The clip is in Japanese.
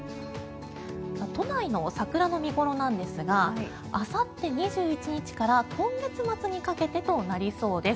都内の桜の見頃なんですがあさって２１日から今月末にかけてとなりそうです。